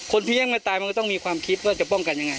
พี่ยังไม่ตายมันก็ต้องมีความคิดว่าจะป้องกันยังไง